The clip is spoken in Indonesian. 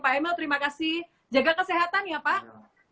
pak emil terima kasih jaga kesehatan ya pak